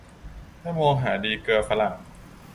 ให้มองหาดีเกลือฝรั่ง